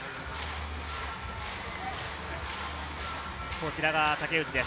こちらが竹内です。